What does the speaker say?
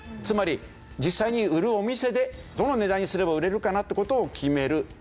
つまり実際に売るお店でどの値段にすれば売れるかなって事を決める。